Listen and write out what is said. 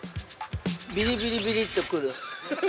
◆ビリビリビリって来る？